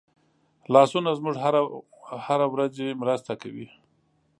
لاسونه زموږ هره ورځي مرسته کوي